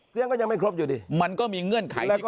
เรื่องก็ยังไม่ครบอยู่ดิมันก็มีเงื่อนไขที่เคยประกาศ